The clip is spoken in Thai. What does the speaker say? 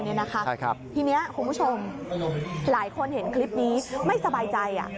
ทีนี้คุณผู้ชมหลายคนเห็นคลิปนี้ไม่สบายใจ